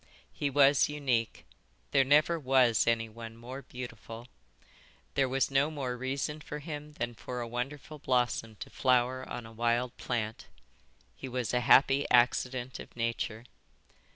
"He was unique. There never was anyone more beautiful. There was no more reason for him than for a wonderful blossom to flower on a wild plant. He was a happy accident of nature."